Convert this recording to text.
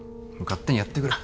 勝手にやってくれ。